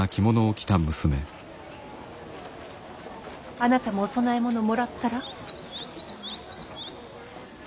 あなたもお供え物もらったら？